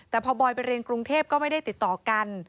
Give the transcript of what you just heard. แต่พอบอยไปเรียนกรุงเทพก็ไม่ได้ติดต่อกัน